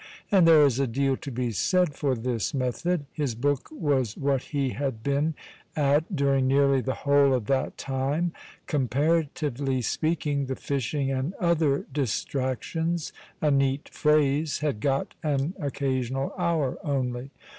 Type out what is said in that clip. And there is a deal to be said for this method. His book was what he had been at during nearly the whole of that time; comparatively speaking, the fishing and "other distractions" (a neat phrase) had got an occasional hour only.